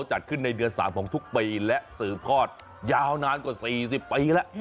จัดขึ้นในเดือน๓ของทุกปีและสืบทอดยาวนานกว่า๔๐ปีแล้ว